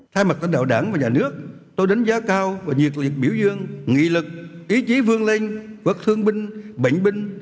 thay mặt tên đạo đảng và nhà nước tôi đánh giá cao và nhiệt lực biểu dương nghị lực ý chí vươn lên vật thương bình bệnh bình